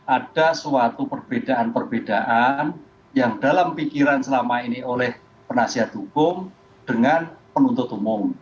ada suatu perbedaan perbedaan yang dalam pikiran selama ini oleh penasihat hukum dengan penuntut umum